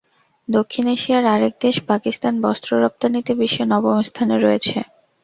দক্ষিণ এশিয়ার আরেক দেশ পাকিস্তান বস্ত্র রপ্তানিতে বিশ্বে নবম স্থানে রয়েছে।